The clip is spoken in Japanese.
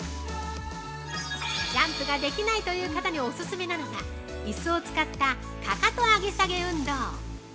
◆ジャンプができないという方にお勧めなのが椅子を使ったかかと上げ下げ運動。